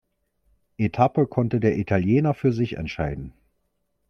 Etappe konnte der Italiener für sich entscheiden.